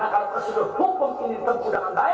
maka kalau prosedur hukum ini terkudangkan baik